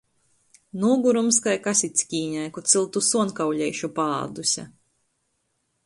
Nūgurums kai Kasickīnei, kod syltu suonkauleišu paāduse.